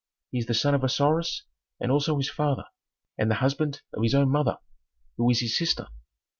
He is the son of Osiris and also his father, and the husband of his own mother, who is his sister."